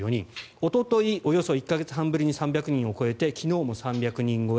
おととい、およそ１か月半ぶりに３００人を超えて昨日も３００人超え。